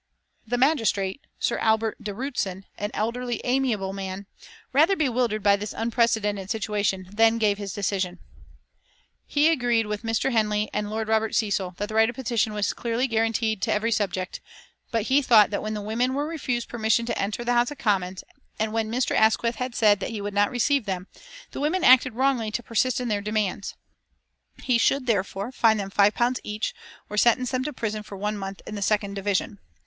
The magistrate, Sir Albert de Rutzen, an elderly, amiable man, rather bewildered by this unprecedented situation, then gave his decision. He agreed with Mr. Henle and Lord Robert Cecil that the right of petition was clearly guaranteed to every subject, but he thought that when the women were refused permission to enter the House of Commons, and when Mr. Asquith had said that he would not receive them, the women acted wrongly to persist in their demands. He should, therefore, fine them five pounds each, or sentence them to prison for one month in the second division.